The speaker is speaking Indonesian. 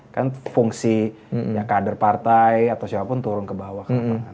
kan fungsi kader partai atau siapapun turun ke bawah